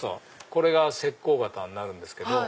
これが石こう型になるんですけど。